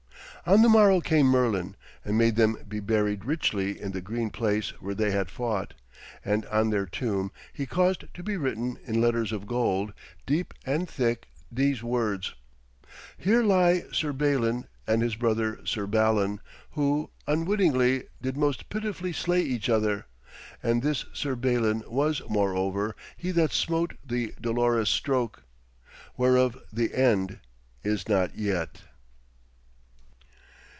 On the morrow came Merlin, and made them be buried richly in the green place where they had fought, and on their tomb he caused to be written in letters of gold, deep and thick, these words: 'Here lie Sir Balin and his brother Sir Balan, who, unwittingly, did most pitifully slay each other: and this Sir Balin was, moreover, he that smote the dolorous stroke. Whereof the end is not yet.'